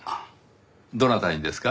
どなたにですか？